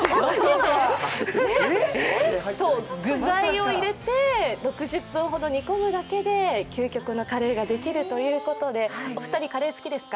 そう、具材を入れて６０分ほど煮込むだけで究極のカレーができるということでお二人、カレー好きですか？